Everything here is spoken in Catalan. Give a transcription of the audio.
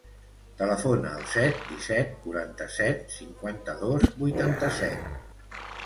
Telefona al set, disset, quaranta-set, cinquanta-dos, vuitanta-set.